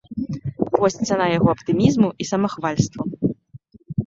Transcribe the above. Вось цана яго аптымізму і самахвальству.